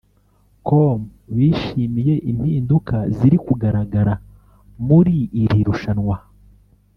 com bishimiye impinduka ziri kugaragara muri iri rushanwa